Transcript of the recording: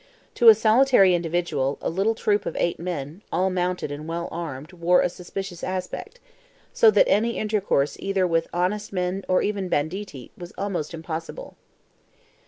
To a solitary individual, a little troop of eight men, all mounted and well armed, wore a suspicious aspect, so that any intercourse either with honest men or even banditti, was almost impossible.